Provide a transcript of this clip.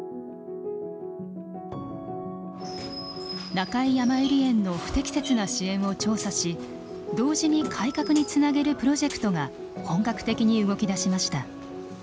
中井やまゆり園の不適切な支援を調査し同時に改革につなげるプロジェクトが本格的に動きだしました。